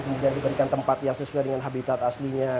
kemudian diberikan tempat yang sesuai dengan habitat aslinya